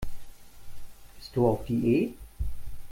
Bist du auf Diät?